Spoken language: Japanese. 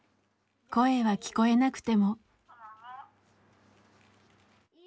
声は聞こえなくても。